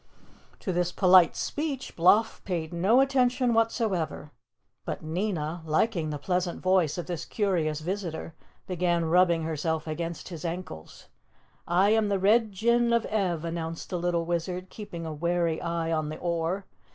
To this polite speech Bloff paid no attention whatsoever, but Nina, liking the pleasant voice of this curious visitor, began rubbing herself against his ankles. "I am the Red Jinn of Ev!" announced the little Wizard, keeping a wary eye on the oar.